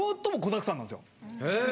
へえ。